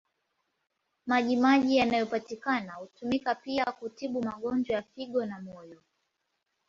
Maji maji yanayopatikana hutumika pia kutibu magonjwa ya figo na moyo.